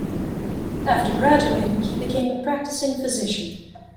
After graduating, he became a practicing physician.